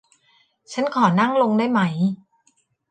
ฉันขอนั่งลงได้ไหม